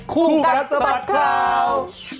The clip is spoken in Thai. คู่กัดสะบัดข่าว